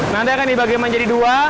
nanti akan dibagi menjadi dua